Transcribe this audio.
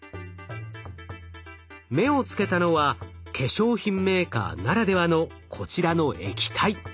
目をつけたのは化粧品メーカーならではのこちらの液体。